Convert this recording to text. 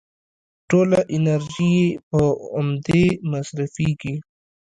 ټوله انرژي يې په امدې مصرفېږي.